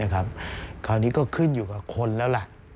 คราวนี้ก็ขึ้นอยู่กับคนแล้วล่ะ